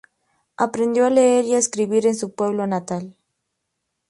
Aprendió a leer y a escribir en su pueblo natal.